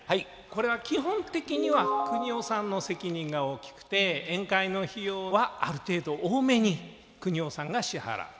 これは基本的にはくにおさんの責任が大きくて宴会の費用はある程度多めにくにおさんが支払う。